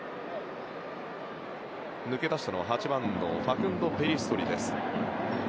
抜け出したのは８番のファクンド・ペリストリです。